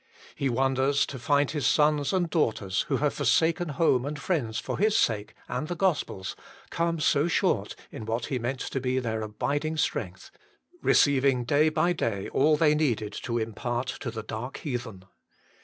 He wonders to find His sons and daughters, who have forsaken home and friends for His sake and the gospel s, come so short in what He meant to be their abiding strength receiving day by day all they needed to impart to the dark heathen.